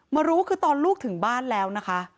มารู้คือตอนลูกถึงบ้านแล้วนะคะ